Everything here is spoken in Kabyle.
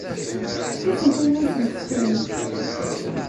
Efk-asent-d ayla-nsent ttxil-m.